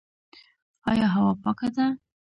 آیا هوا پاکه ده؟